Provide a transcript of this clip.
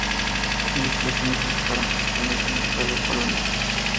Sus investigaciones se enfocaron principalmente en el período colonial.